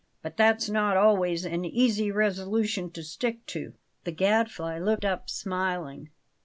"But that's not always an easy resolution to stick to." The Gadfly looked up, smiling.